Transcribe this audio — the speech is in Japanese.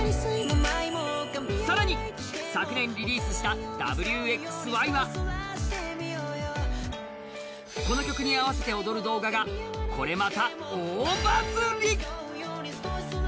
更に、昨年リリースした「Ｗ／Ｘ／Ｙ」はこの曲に合わせて踊る動画がこれまた大バズリ。